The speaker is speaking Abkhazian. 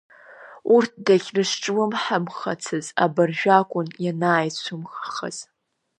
Урҭ дахьрызҿлымҳамхацыз абыржәы акәын ианааицәымӷахаз.